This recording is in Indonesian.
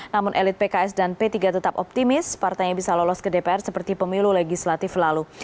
namun elit pks dan p tiga tetap optimis partainya bisa lolos ke dpr seperti pemilu legislatif lalu